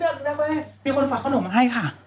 ไส้อะไรคะ